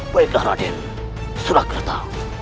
baiklah raden surakerta